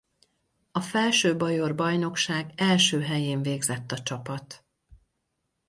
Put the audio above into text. A felső-bajor bajnokság első helyén végzett a csapat.